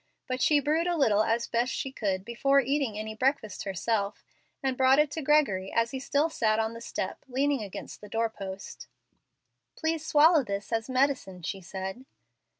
But she brewed a little as best she could before eating any breakfast herself, and brought it to Gregory as he still sat on the step, leaning against the door post. "Please swallow this as medicine," she said.